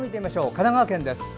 神奈川県です。